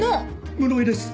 室井です。